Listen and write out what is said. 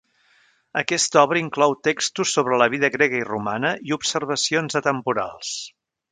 Aquesta obra inclou textos sobre la vida grega i romana i observacions atemporals.